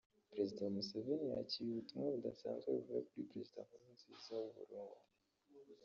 “Perezida Museveni yakiriye ubutumwa budasanzwe buvuye kuri Perezida Nkurunziza w’u Burundi